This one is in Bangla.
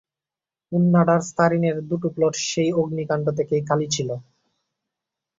উনান্ডার-স্খারিনের দুটো প্লট সেই অগ্নিকাণ্ড থেকেই খালি ছিল।